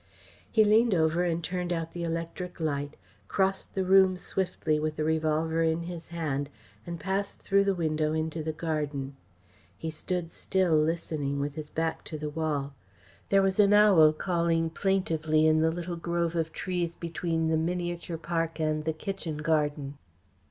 He leaned over and turned out the electric light, crossed the room swiftly with the revolver in his hand, and passed through the window into the garden. He stood still, listening, with his back to the wall. There was an owl calling plaintively in the little grove of trees between the miniature park and the kitchen garden.